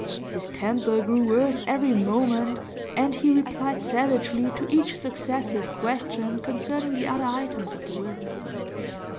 His temper grew worse every moment, and he replied savagely to each successive question concerning the other items of the will.